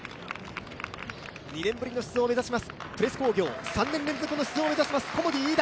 ２年ぶりの出場を目指しますプレス工業、３年連続の出場を目指します、コモディイイダ。